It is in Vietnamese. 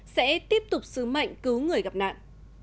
sẽ tiếp tục sứ mệnh cứu người gặp nạn